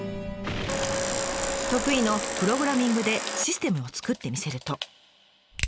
得意のプログラミングでシステムを作ってみせると。